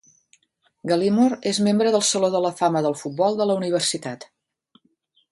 Galimore és membre del Saló de la Fama del Futbol de la Universitat.